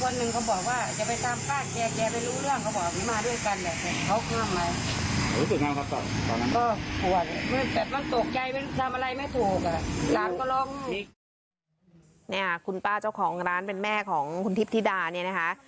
เนี่ยคุณป้าเจ้าของร้านเป็นแม่ของคุณทิพย์ธิดาเนี่ยนะคะ